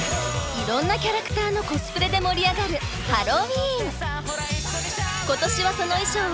いろんなキャラクターのコスプレで盛り上がるハロウィーン。